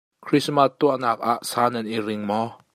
Krismas tuahnak ah sa nan i ring maw?